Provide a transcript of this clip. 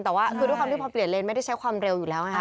แต่ว่าคือด้วยความที่พอเปลี่ยนเลนไม่ได้ใช้ความเร็วอยู่แล้วไงค